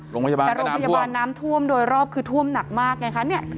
โรงพยาบาลก็น้ำท่วมโดยรอบคือท่วมหนักมากไงค่ะ